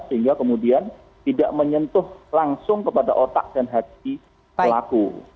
sehingga kemudian tidak menyentuh langsung kepada otak dan hati pelaku